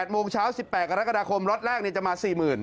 โมงเช้า๑๘กรกฎาคมล็อตแรกจะมา๔๐๐๐